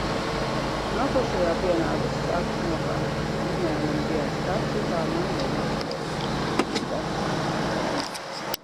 Nākošajā dienā viss sākas no gala. Izņēmumi dienas kārtībā nav neiespējami. Bet ir reti.